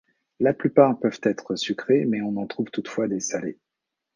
La plupart peuvent être sucrés mais on en trouve toutefois des salés.